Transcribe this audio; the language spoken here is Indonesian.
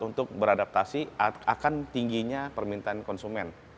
untuk beradaptasi akan tingginya permintaan konsumen